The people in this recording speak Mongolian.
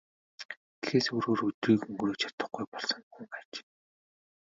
Ингэхээс өөрөөр өдрийг өнгөрөөж чадахгүй болсон хүн аж.